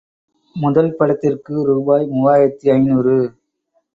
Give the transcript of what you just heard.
முதல் படத்திற்கு ரூபாய் மூவாயிரத்து ஐநூறு.